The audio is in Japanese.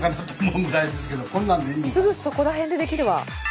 すぐそこら辺でできるわ。